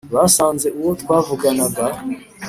basanze uwo twavuganaga